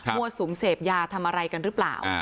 สุมเสพยาทำอะไรกันหรือเปล่า